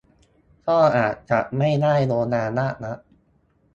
ก็อาจจะไม่ได้โบราณมากนัก